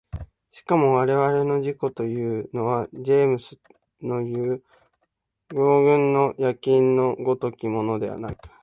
しかも我々の自己というのはジェームスのいう羊群の焼印の如きものではなく、